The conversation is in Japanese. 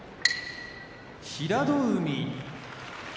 平戸海